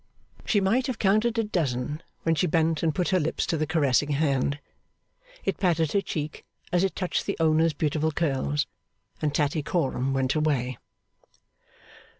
She might have counted a dozen, when she bent and put her lips to the caressing hand. It patted her cheek, as it touched the owner's beautiful curls, and Tattycoram went away.